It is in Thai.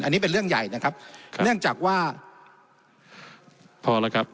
อันนี้เป็นเรื่องใหญ่นะครับเนื่องจากว่าพอแล้วครับ